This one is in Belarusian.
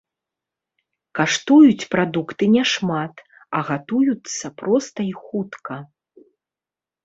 Каштуюць прадукты няшмат, а гатуюцца проста і хутка.